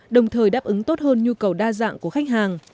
đồng thời đáp ứng tốt hơn nhu cầu đa dạng của khách hàng